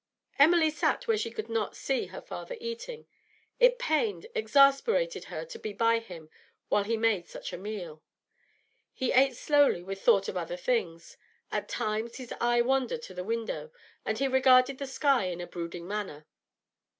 Emily sat where she could not see her father eating; it pained, exasperated her to be by him whilst he made such a meal. He ate slowly, with thought of other things; at times his eye wandered to the window, and he regarded the sky in a brooding manner.